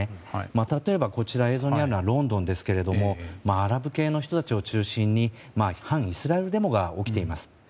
例えば映像にあるのはロンドンですがアラブ系の人たちを中心に反イスラエルデモが起きています。